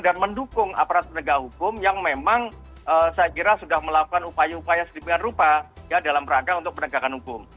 dan mendukung aparat penegakan hukum yang memang saya kira sudah melakukan upaya upaya sedikit rupa dalam perangkat untuk penegakan hukum